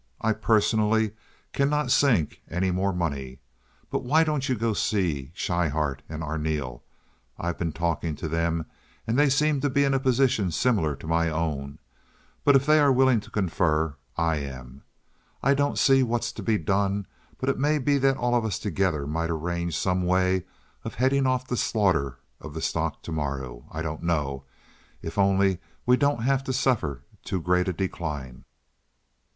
I, personally, cannot sink any more money. But why don't you go and see Schryhart and Arneel? I've been talking to them, and they seem to be in a position similar to my own; but if they are willing to confer, I am. I don't see what's to be done, but it may be that all of us together might arrange some way of heading off the slaughter of the stock to morrow. I don't know. If only we don't have to suffer too great a decline."